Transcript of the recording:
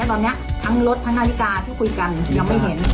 ตอนนี้ทั้งรถทั้งนาฬิกาที่คุยกันยังไม่เห็น